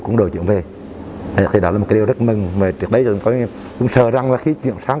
quân đội chuyển về thì đó là một điều rất mừng trước đấy chúng tôi cũng sợ rằng là khi chuyện sáng